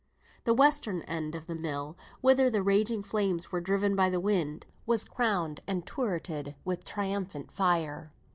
The western end of the mill, whither the raging flames were driven by the wind, was crowned and turreted with triumphant fire.